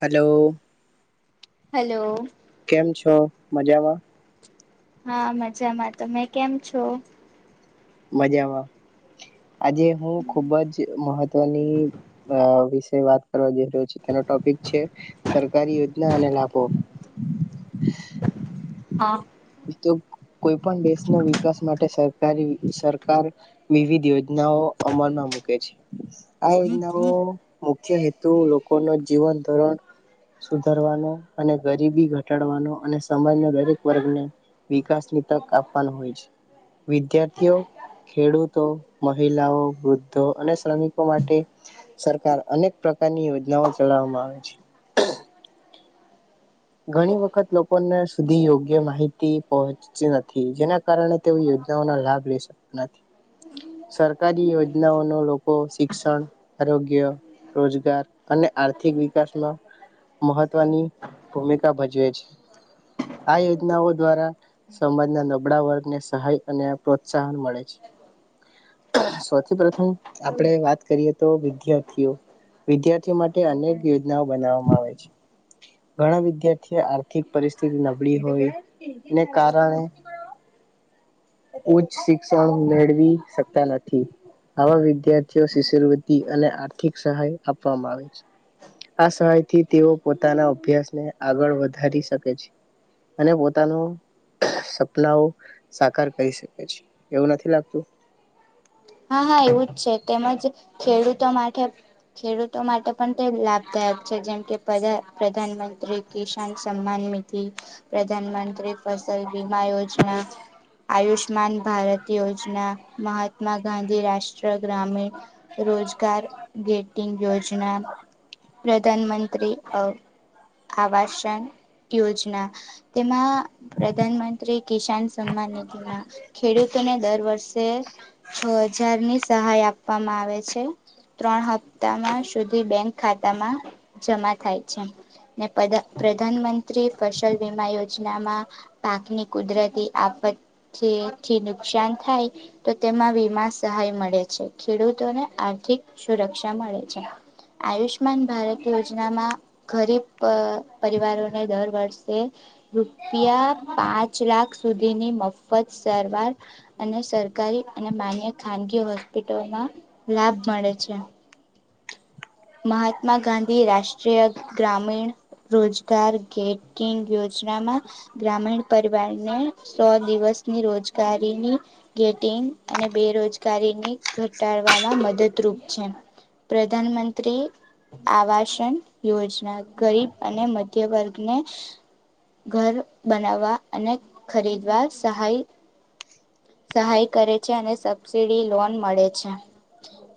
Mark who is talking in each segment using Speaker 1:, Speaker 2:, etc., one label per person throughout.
Speaker 1: Hello
Speaker 2: hello
Speaker 1: કેમ છો મજામાં?
Speaker 2: હા મજામાં તમે કેમ છો?
Speaker 1: મજામાં. આજે હું ખુબ જ મહત્વની વાત કરવા જઈ રહ્યો છે તેનો ટોપિક છે સરકારી યોજના અને લાભો.
Speaker 2: હા
Speaker 1: ઈતો કોઈ પણ દેશનો વિકાસ માટે સરકારી સરકાર વિવિધ યોજનાઓ અમલમાં મૂકે છે. આ યોજનાઓ મુખ્ય હેતુ લોકો નો જીવન ધોરણ સુધારવાનો અને ગરીબી ઘટાડવાનો અને સમાજના દરેક વર્ગને વિકાસની તક આપવાનું હોય છે વિદ્યાર્થીઓ, ખેડૂતો, મહિલાઓ, વૃદ્ધો અને શ્રમિકો માટે સરકાર અનેક પ્રકારની યોજનાઓ ચલાવવામાં આવે છે. ઘણી વખત લોકોને સુધી યોગ્ય માહિતી પહોચતી નથી જેના કારણે તેઓ યોજનાઓનો લાભ લઈ શકતા નથી સરકારી યોજનાઓનો લોકો શિક્ષણ આરોગ્ય રોજગાર અને આર્થિક વિકાસમાં મહત્વની ભૂમિકા ભજવે છે આ યોજનાઓ દ્વારા સમાજના નબળા વર્ગને સહાય અને પ્રોત્સાહન મળે છે સૌથી પ્રથમ આપણે વાત કરીએ તો વિદ્યાર્થીઓ વિદ્યાર્થીઓ માટે અનેક યોજનાઓ બનાવવામાં આવે છે. ઘણા વિદ્યાર્થીઓ આર્થિક પરિસ્થિતિ નબળી હોયને કારણે ઉચ્ચ શિક્ષણ મેળવી શકતા નથી આવા વિદ્યાર્થીઓ શિષ્યવૃતિ અને આર્થિક સહાય આપવામાં આવે છે આ સહાયથી તેઓ પોતાના અભ્યાસ ને આગળ વધારી શકે છે અને પોતાનું સપનાઓ સાકાર કરી શકે છે એવું નથી લાગતું
Speaker 2: હા હા એવું જ છે તેમજ ખેડૂતો માટે ખેડૂતો માટે પણ તે લાભદાયક છે જેમ કે પ્રધા પ્રધાનમંત્રી કિસાન સન્માન નિધિ પ્રધાનમંત્રી ફસલ બીમા યોજના આયુષ્માન ભારત યોજના મહત મા ગાંધી રાષ્ટ્રીય ગ્રામીણ રોજગાર ગેટિંગ યોજના પ્રધાનમંત્રી અ વ આવાસન યોજના તેમાં પ્રધાનમંત્રી કિસાન સન્માન નિધિમાં ખેડૂતોના દર વર્ષે છ હજારની સહાય આપવામાં આવે છે ત્રણ હપ્તામાં સુધી બેંક ખાતામાં જમા થાય છે ને પદા પ્રધાનમંત્રી ફસલ વીમા યોજનામાં પાકની કુદરતી આફથીથી નુકસાન થાય તો તેમાં વીમા સહાય મળે છે ખેડૂતોને આર્થિક સુરક્ષા મળે છે આયુષ્માન ભારત યોજનામાં ગરીબ પ પરિવારોને દર વર્ષે રૂપિયા પાંચ લાખ સુધીની મફ ફત સારવાર અને સરકારી અને માન્ય ખાનગી હોસ્પિટલોમાં લાભ મળે છે. મહાત્મા ગાંધી રાષ્ટ્રીય ગ્રામીણ રોજગાર ગેટિંગ યોજનામાં ગ્રામીણ પરિવારને સો દિવસની રોજગારીની ગેટિંગ અને બેરોજગારીની ઘટાડવામાં મદદરૂપ છે. પ્રધાનમં ત્રી આવાસન યોજના ગરીબ અને મધ્ય વર્ગને ઘર બનાવવા અને ખરીદવા સહાય સહાય કરે છે અને સબ સીડી લોન મળે છે,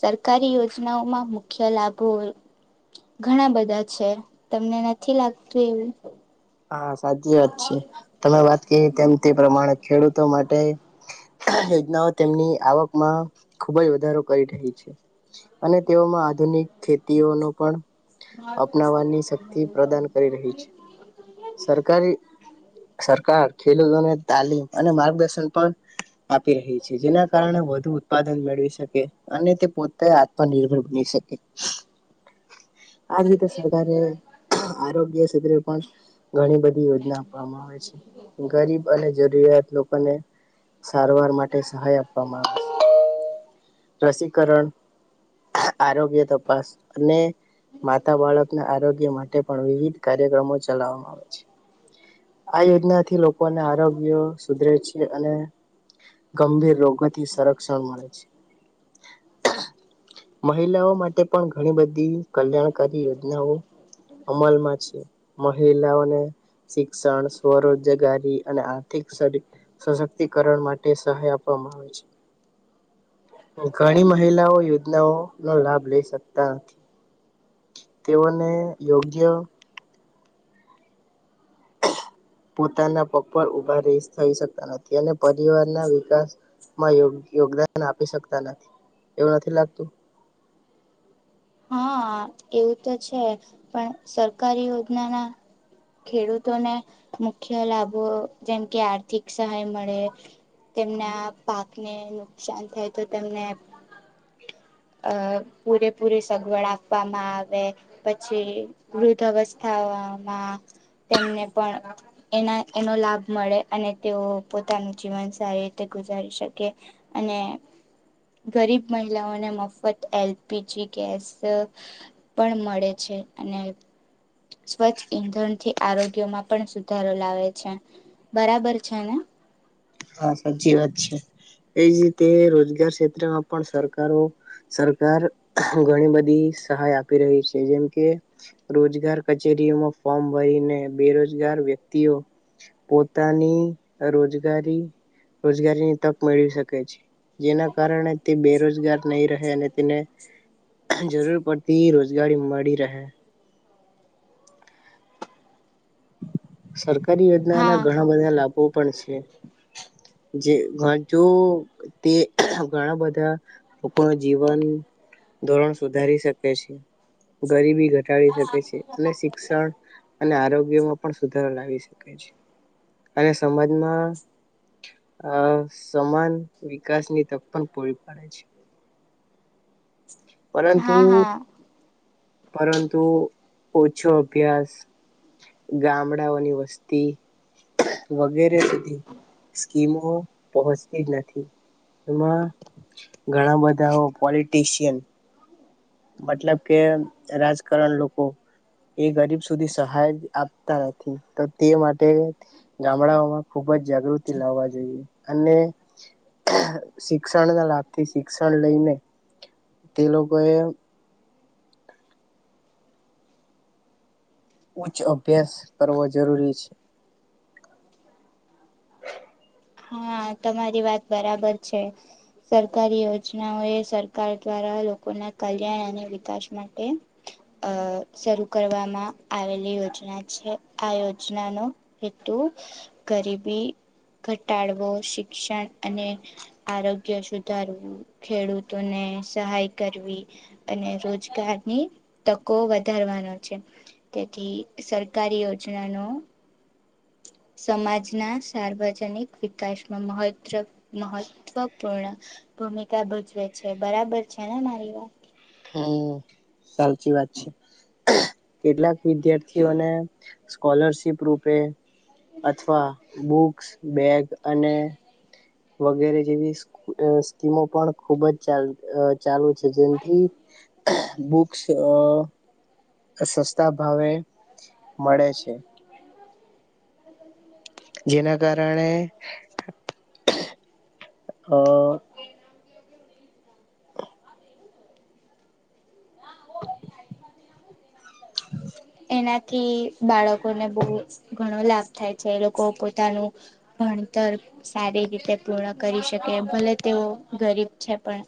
Speaker 2: સરકારી યોજનાઓમાં મુખ્ય લાભો ઘણા બધા છે, તમને નથી લાગતું એવું?
Speaker 1: આ સાચી વાત છે, તમે વાત એ તેમ તે પ્રમાણ ખેડૂતો માટે યોજનાઓ, તેમની આવકમાં ખુબ જ વધારો કરી રહી છે. અને તેઓમાં આધુનિક ખેતીઓનો પણ
Speaker 2: મા
Speaker 1: અપનાવવાની
Speaker 2: એમા
Speaker 1: શક્તિ પ્રદાન કરી
Speaker 2: [unintelligible]
Speaker 1: રહી છે
Speaker 2: વેલકમ [unintelligible]
Speaker 1: સરકારી, સરકાર ખેલુતોને તાલીમ અને માર્ગદર્શન પણ આપ છે, જેના કારણે વધુ ઉત્પાદ મેળવી શકે, અને તે પોતે આત્મનિર્ભર બની શકે. આ જ રીતે સરકારે આરોગ્ય શેત્રે પણ ઘણી બધી યોજના આપવામાં આવે છે. ગરીબ અને જરૂરી [unintelligible] લોકોને સારવાર માટે સહાય આપવામાં આવે છે, રસીકરણ આરોગ્ય તપાસ અને માતા બાળક ના આરોગ્ય માટ પણ વિવિધ કાર્યક્રમો છે. કામ આવે છે, આ યોજનાથી લોકોને આરોગ્ય સુધરે છે અને ગંભીર રોગ થી સંરક્ષણ મળે છે. મહિલાઓ માટે પણ ઘણી બધી કલ્યાણકારી યોજનાઓ અમલમાં છે. મહિલાઓને સિક્ષણ, સ્વરોજગારી અને આર્થિક સરી, સશક્તિકરણ માટે સહાય આપવામાં આવે છે. ઘણી મહિલાઓ યોજનાઓનો લાભ લઈ શકતા, તેઓને યોગ્ય પોતાના પગ પર ઉભા રહી થઈ, રહી શકતા નથી, અને પરિવારના વિકાસમાં યો યોગદાન આપી શકતા નથી, એવું નથી લાગતું?
Speaker 2: હા, એવું તો છે. પણ સરકારી યોજનાના ખેડૂતોને મુખ્ય લાભો જેમ કે આર્થિક સહાય મળે, તેમના પાકને નુકશાન થાય તો તેમને અ પૂરેપૂરી સ સગવડ આપવામાં આવે, પછી વૃદ્ધ અવસ્થામાં તેમને પણ એના એનો લાભ મળે, અને તેઓ પોતાનું જીવન સારી રીતે ગુજારી શકે, અને ગરીબ મહિલાઓને મફત એલપીજી ગેસ પણ મળે છે અને સ્વચ્છ ઈંધણ થી આરોગ્યમાં પણ સુધારો લાવે છે, બરાબર છે ને?
Speaker 1: હા, સાચી વાત છે. એજ રીતે રોજગાર ક્ષેત્રમાં પણ સરકારો, સરકાર ઘણી બધી સહાય આપી રહી છે, જેમકે રોજગાર કચેરીઓમાં ફોર્મ ભરીને બેરોજગાર વ્યક્તિઓ પોતાની રોજગારી રોજગારીની તક મેળવી શકે છે, જેના કારણે તે બેરોજગાર નહી રહે અને તેને જરૂર પડતી રોજગારી મળી રહે. સરકાર સરકારી યોજનાના
Speaker 2: હા
Speaker 1: ઘણા બધા લાભો પણ છે. જે, ઘ, જો તે ઘણા બધા લોકોના જીવન ધોરણ સુધારી શકે છે, ગરીબી ઘટાડી શકે છે, અને સિકસણ અને આરોગ્ય એમાં પણ સુધારો લાવી શકે છે અને સમાજમાં આ સમાન વિકાસની તક પણ પૂરી પાડે છે. પરંતુ
Speaker 2: હા હા
Speaker 1: પરંતુ ઓછો અભ્યાસ, ગામડાઓની વસ્તી વગેરે સુધી સ્કીમો પહોચતી જ નથી. એમાં ઘણા બધા ઓ પોલિટીશિયન મતલબ કે, રાજકારણ લોકો, એ ગરીબ સુધી સહાય આપતા નથી. તો તે માટે ગામડાઓમાં ખુબ જ જાગૃતિ લાવવા જોઈએ, અને સિકસણના લાભથી સિકસણ લઈને તે લોકોએ ઉચ્ચ અભ્યાસ કરવો જરૂરી છે.
Speaker 2: હા, તમારી વાત બરાબર છે. સરકારી યોજનાઓ એ સરકાર દ્વારા, લોકોના કલ્યાણ અને વિકાશ માટે અ શરૂ કરવામાં આવેલી યોજના છે. આ યોજનાનો હેતુ ગરીબી ઘટાડવો, શિક્ષણ, અને આરોગ્ય સુધારવું, ખેડૂતોને સહાય કરવી, અને રોજગારની તકો વધારવાનો છે. તેથી સરકારી યોજનાનો સમાજના સાર્વજનિક વિકાસમાં મહત્ર મહત્વપૂર્ણ ભૂમિકા ભજવે છે. બરાબર છે ને મારી વાત?
Speaker 1: હમ્મ, સાચી વાત છે. કેટલાક વિદ્યાર્થીઓને સ્કોલરશીપ રૂપે અથવા બુક સ, બેગ અને વગેરે જેવી સ અહ સ્કીમો પણ ખુબ જ ચાલ અહ ચાલુ છે. જેનથી બુક્સ અહ અહ સસ્તા ભાવે મળે છે. જેના કારણે અહ [inaudible]
Speaker 2: નાથી બાળકોને બહુ ઘણો લાભ થાય છે, લોકો પોતાનું ભણતર સારી રીતે પૂર્ણ કરી શકે, ભલે તેઓ ગરીબ છે, પણ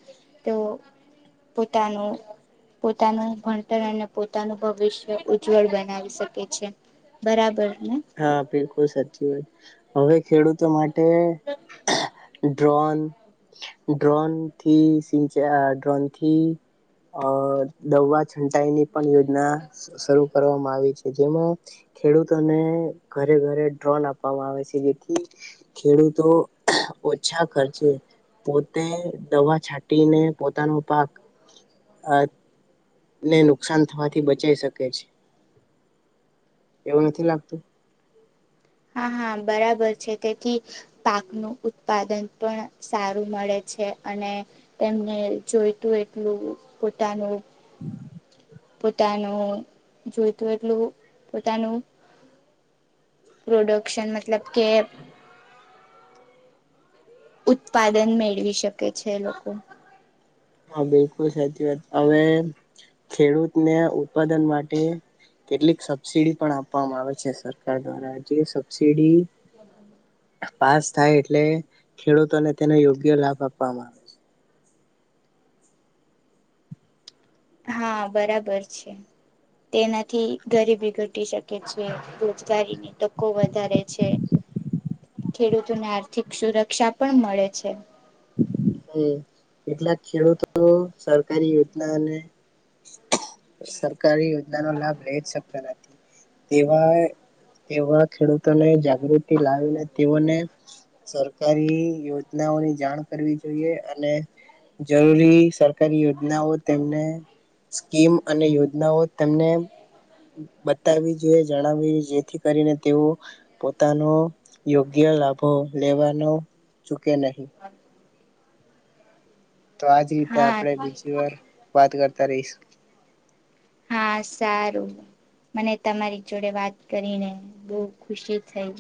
Speaker 2: તેઓ પોતાનું-પોતાનું ભણતર અને પોતાનું ભવિષ્ય ઉજ જવળ બનાવી શકે છે. બરાબર ને
Speaker 1: હા બિલકુ લ સાચી વાત. હવે ખેડૂતો માટ તે ડ્રોન ડ્રોન થી સિંચાઈ ડ્રોન થી અ દવા છંટાઈની પણ યોજના શરૂ કરવામાં આવી છે જેમાં ખેડૂતોને ઘરે ઘરે ડ્રોન આપવામાં આવે છે જેથી ખેડૂતો ઓછા ખર્ચે પોતે દવા છાંટીને પોતાનો પાક ને નુકસાન થવાથી બચાઈ શકે છે એવું નથી લાગતું.
Speaker 2: હા હા બરાબર છે તેથી પાકનું ઉત્પાદન પણ સારું મળે છે અને તેમને જોઈતું એટલું પોતાનું પોતાનું જોઈતું એટલું પોતાનું પ્રોડક્શન મતલબ કે ઉત્પાદન મેળવી શકે છે લોકો.
Speaker 1: હા બિલકુલ સાચી વાત હવે ખેડૂતને ઉત્પાદન માટે કેટલીક સબસીિડી પણ આપવામાં આવે છે સરકાર દ્વારા જે સબસિડી પાસ થાય એટલે ખેડૂતોને તેને યોગ્ય લાભ આપવામાં આવે છે.
Speaker 2: હા બરાબર છે તેનાથી ગરીબી ઘટી શકે છે રોજગારીની તકો વધારે છે ખેડૂતોને આર્થિક સુરક્ષા પણ મળે છે.
Speaker 1: હમ કેટલાક ખેડૂતો સરકારી યોજના અનેકાર સરકારી યોજના નોા લઈ જ શકતા નથી. તેવા તેવા ખેડૂતોને જાગૃતિ લાવીને તેઓને સરકારી યોજનાઓની જાણ કરવી જોઈએ અને જરૂરી સરકારી યોજનાઓ તેમને સ્કીમ અને યોજનાઓ તેમને બતાવી જોઈએ જણાવવીઈ જેથી કરીને તેઓ પોતાનો યોગ્ય લાભો લેવાનો ચૂકે નહી. તો આજ રીતે આપણેે
Speaker 2: હા
Speaker 1: બીજી વાર વાત કરતા રહીશું.
Speaker 2: હા સારું મને તમારી જોડે વાત કરીને બહુ ખુશી થઈ.